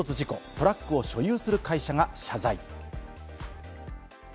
トラックを所有する会社が謝罪。